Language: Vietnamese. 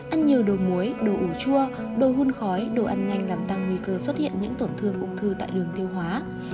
ăn nhiều đồ mối đồ ủ chua đồi hun khói đồ ăn nhanh làm tăng nguy cơ xuất hiện những tổn thương ung thư tại đường tiêu hóa